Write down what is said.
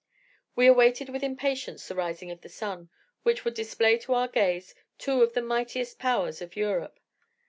We awaited with impatience the rising of the sun, which would display to our gaze two of the mightiest powers in Europe.